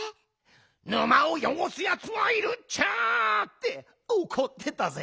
「沼をよごすやつがいるちゃ！」っておこってたぜ。